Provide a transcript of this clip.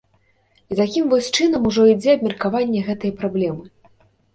І такім вось чынам ужо ідзе абмеркаванне гэтай праблемы.